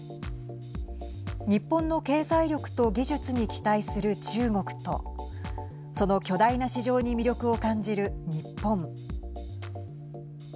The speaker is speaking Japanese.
日本の経済力と技術に期待する中国とその巨大な市場に魅力を感じる日本。